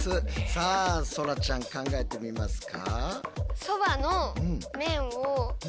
さあそらちゃん考えてみますか？